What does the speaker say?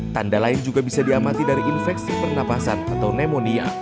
tanda lain juga bisa diamati dari infeksi pernapasan atau pneumonia